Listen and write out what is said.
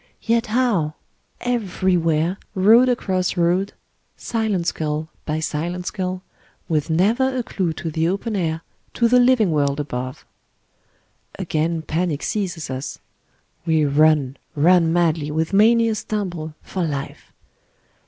Yet how ! Everywhere, road THE CATACOMBS OF PARIS 131 across road, silent skull by silent skull, with never a clue to the open air, to the living world above. Again panic seizes . us; we run, run madly with many a stumble, for life.